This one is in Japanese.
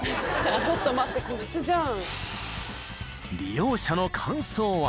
ちょっと待って個室じゃん。